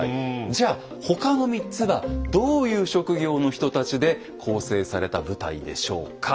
じゃあ他の３つはどういう職業の人たちで構成された部隊でしょうか？